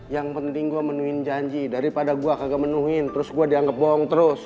yang penting gue menuhin janji daripada gue gak menuhin terus gue dianggep bohong terus